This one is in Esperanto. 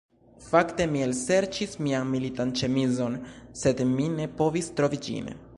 Fakte, mi elserĉis mian militan ĉemizon sed mi ne povis trovi ĝin